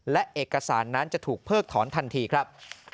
และเอกสารนั้นจะถูกเพิกถอนทันทีครับ